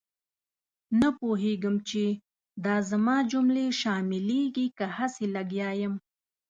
نه پوهېږم چې دا زما جملې شاملېږي که هسې لګیا یم.